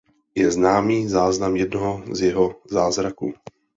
Je známý záznam jednoho z jeho zázraků.